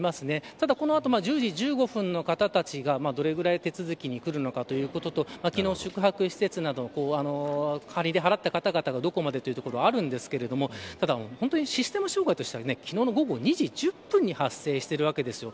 ただこの後１０時１５分の方たちがどれぐらい手続きに来るのかということと昨日、宿泊施設などを仮で払った方々がどこまでということはあるんですがただシステム障害としては昨日の午後２時１０分に発生しているわけです。